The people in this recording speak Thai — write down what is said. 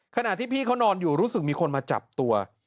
ขณะที่พี่เขานอนอยู่รู้สึกมีคนมาจับตัว